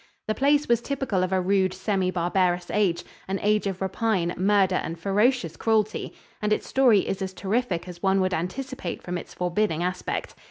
The place was typical of a rude, semi barbarous age, an age of rapine, murder and ferocious cruelty, and its story is as terrific as one would anticipate from its forbidding aspect.